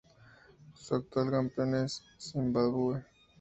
Su actual campeón es Zimbabue.